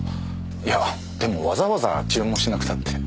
いやでもわざわざ注文しなくたって。